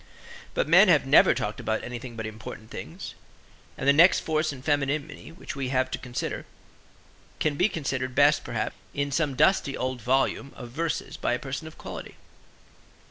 But men have never talked about anything but important things; and the next force in femininity which we have to consider can be considered best perhaps in some dusty old volume of verses by a person of quality.